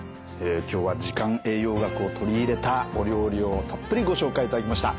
今日は時間栄養学を取り入れたお料理をたっぷりご紹介いただきました。